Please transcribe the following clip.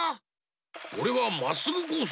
おれはまっすぐコース！